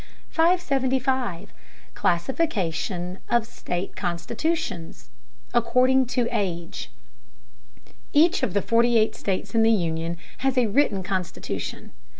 575. CLASSIFICATION OF STATE CONSTITUTIONS: ACCORDING TO AGE. Each of the forty eight states in the Union has a written constitution.